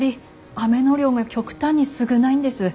雨の量が極端に少ないんです。